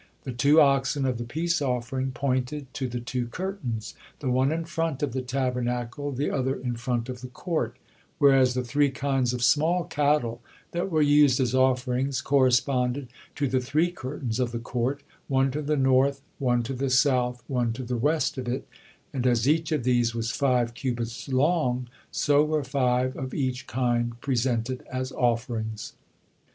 The two oxen of the peace offering pointed to the two curtains, the one in front of the Tabernacle, the other in front of the court, whereas the three kinds of small cattle that were used as offerings corresponded to the three curtains of the court, one to the north, one to the south, one to the west of it; and as each of these was five cubits long, so were five of each kind presented as offerings.